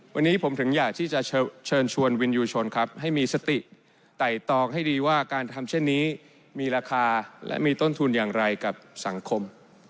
วันนี้ผมถึงอยากที่จะเชิญชวนวินยูชนครับให้มีสติไต่ตองให้ดีว่าการทำเช่นนี้มีราคาและมีต้นทุนอย่างไรกับสังคม